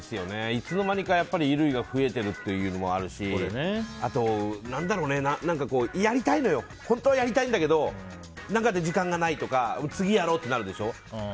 いつの間にか衣類が増えてるのもあるしあと、本当はやりたいんだけど何かで時間がないとか次やろうってなるでしょ。